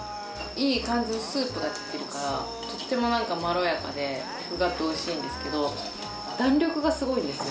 いい感じのスープが出てるからとってもなんかまろやかでコクがあっておいしいんですけど弾力がすごいんですよ。